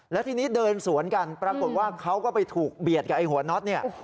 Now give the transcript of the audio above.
แล้วทีนี้เดินสวนกันปรากฏว่าเขาก็ไปถูกเบียดกับไอ้หัวน็อตเนี่ย